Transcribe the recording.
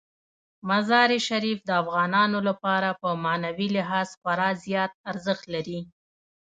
مزارشریف د افغانانو لپاره په معنوي لحاظ خورا زیات ارزښت لري.